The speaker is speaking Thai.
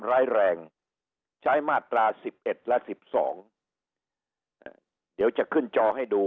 ร้ายแรงใช้มาตราสิบเอ็ดและสิบสองเดี๋ยวจะขึ้นจอให้ดู